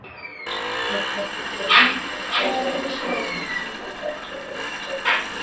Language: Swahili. Na kuwa kipindi pekee chenye heshima hiyo kabla ya kingine chochote